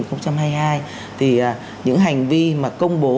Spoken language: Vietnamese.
năm hai nghìn hai mươi hai thì những hành vi mà công bố